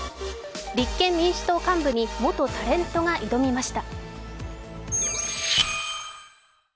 立憲民主党幹部に元タレントが挑みました。